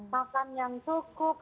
makan yang cukup